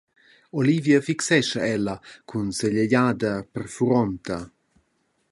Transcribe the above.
Olivia fixescha ella cun sia egliada perfuronta.